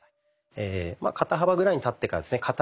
肩幅ぐらいに立ってからですね